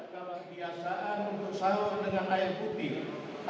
kalau kebiasaan untuk saruk dengan air putih